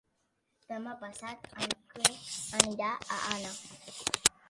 Demà passat en Quer anirà a Anna.